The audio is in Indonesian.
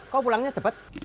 kok pulangnya cepet